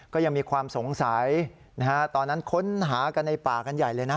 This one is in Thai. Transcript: ก็ยังมีความสงสัยนะฮะตอนนั้นค้นหากันในป่ากันใหญ่เลยนะ